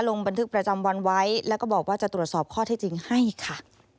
ลงบันทึกประจำวันไว้แล้วก็บอกว่าจะตรวจสอบข้อที่จริงให้ค่ะ